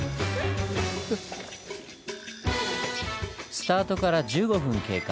スタートから１５分経過。